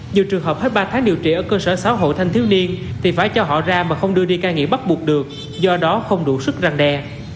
dù trường hợp hết ba tháng điều trị ở cơ sở sáu hộ thanh thiếu niên thì phải cho họ ra mà không đưa đi ca nghiện bắt buộc được do đó không đủ sức răng đe